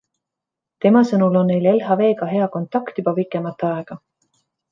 Tema sõnul on neil LHVga hea kontakt juba pikemat aega.